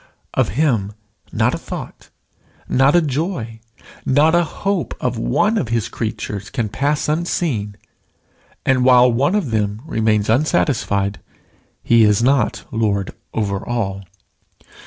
Of him not a thought, not a joy, not a hope of one of his creatures can pass unseen; and while one of them remains unsatisfied, he is not Lord over all.